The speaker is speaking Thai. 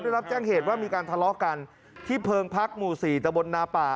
ได้รับแจ้งเหตุว่ามีการทะเลาะกันที่เพิงพักหมู่๔ตะบนนาป่า